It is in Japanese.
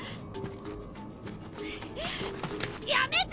やめて！